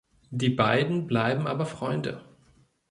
Die beiden bleiben aber Freunde.